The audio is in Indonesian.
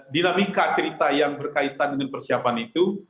dinamika cerita yang berkaitan dengan persiapan itu